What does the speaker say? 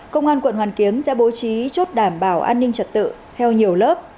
công an quận hoàn kiếm sẽ bố trí chốt đảm bảo an ninh trật tự theo nhiều lớp